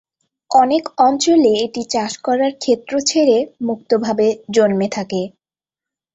অনেক অঞ্চলে এটি চাষ করার ক্ষেত্র ছেড়ে মুক্তভাবে জন্মে থাকে।